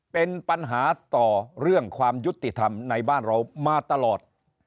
เป็นปัญหาต่อเรื่องความยุติธรรมในบ้านเรามาตลอด